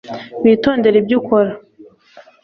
witondere ibyo ukora